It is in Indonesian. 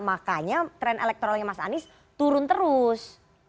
makanya tren elektoralnya mas anies turun terus